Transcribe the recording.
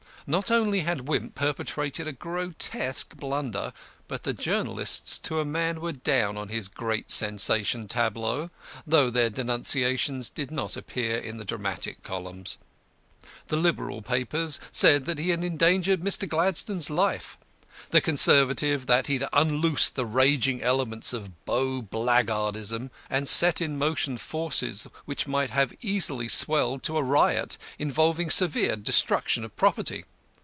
Not only had Wimp perpetrated a grotesque blunder, but the journalists to a man were down on his great sensation tableau, though their denunciations did not appear in the dramatic columns. The Liberal papers said that he had endangered Mr. Gladstone's life; the Conservative that he had unloosed the raging elements of Bow blackguardism, and set in motion forces which might have easily swelled to a riot, involving severe destruction of property.